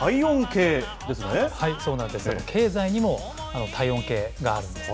経済にも体温計があるんですね。